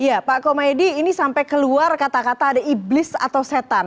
iya pak komedi ini sampai keluar kata kata ada iblis atau setan